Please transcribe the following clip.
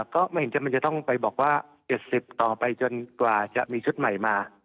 ก็ไม่เห็นมันจะต้องไปบอกว่า๗๐ต่อไปจนกว่าจะมีชุดใหม่มา